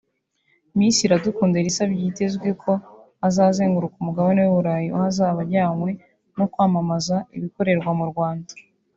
Miss Iradukunda Elsa byitezwe ko azazenguruka umugane w’Uburayi aho azaba ajyanywe no kwamamaza ibikorerwa mu Rwanda